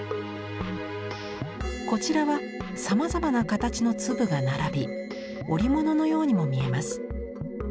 こちらはさまざまな形の粒が並び織物のようにも見えます。